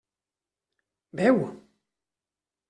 Beu.